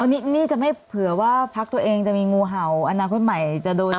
นี่จะไม่เผื่อว่าพักตัวเองจะมีงูเห่าอนาคตใหม่จะโดน